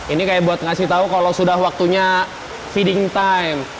ini kayak buat ngasih tau kalau sudah waktunya feeding time